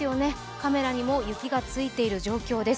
カメラにも雪がついているような状況です。